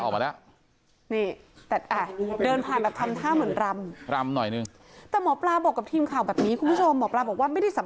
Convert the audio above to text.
คุณปุ้ยอายุ๓๒นางความร้องไห้พูดคนเดี๋ยว